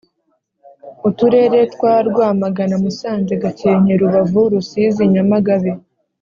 uturere twa rwamagana, musanze, gakenke, rubavu, rusizi, nyamagabe,